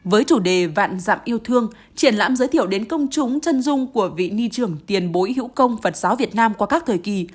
với chủ đề vạn dặm yêu thương triển lãm giới thiệu đến công chúng chân dung của vị ni trưởng tiền bối hữu công phật giáo việt nam qua các thời kỳ